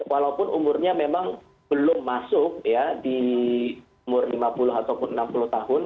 walaupun umurnya memang belum masuk di umur lima puluh ataupun enam puluh tahun